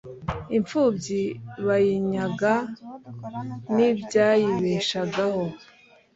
imfubyi bayinyaga n'ibyayibeshagaho